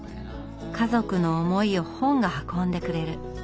家族の思いを本が運んでくれる。